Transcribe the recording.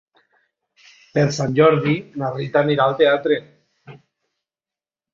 Per Sant Jordi na Rita anirà al teatre.